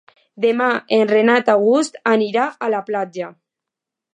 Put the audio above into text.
Demà en Renat August anirà a la platja.